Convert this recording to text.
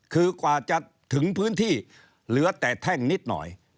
คือกว่าจะถึงพื้นที่เหลือแต่แท่งนิดหน่อย